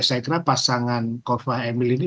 saya kira pasangan kovah dan emil ini